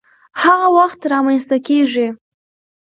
هغه وخت رامنځته کيږي،